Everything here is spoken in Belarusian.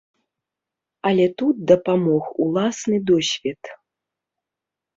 Але тут дапамог уласны досвед.